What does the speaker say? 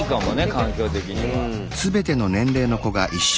環境的には。